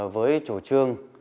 với chủ trương